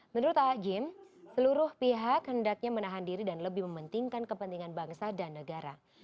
menurut ⁇ aagim seluruh pihak hendaknya menahan diri dan lebih mementingkan kepentingan bangsa dan negara